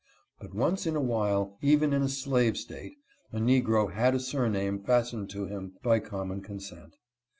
But once in a while, even in a slave state, a ^ftbgro had a sur name fastened to him by common consent.